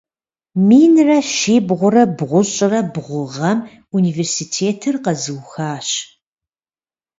Минрэ щибгъурэ бгъущӏрэ бгъу гъэм университетыр къэзыухащ.